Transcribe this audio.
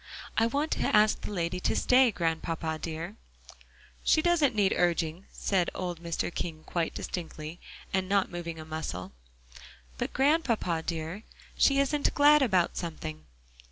"I want to ask the lady to stay, Grandpapa dear." "She doesn't need urging," said old Mr. King quite distinctly, and not moving a muscle. "But, Grandpapa dear, she isn't glad about something."